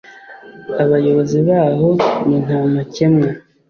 abayobozi baho ni ntamakemwa.